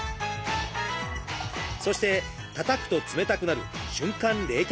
そしてたたくと冷たくなる瞬間冷却剤。